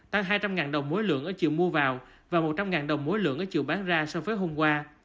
tăng hai trăm linh đồng mỗi lượng ở chiều mua vào và một trăm linh đồng mỗi lượng ở chiều bán ra so với hôm qua